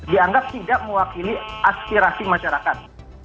dianggap tidak mewakili aspirasi masyarakat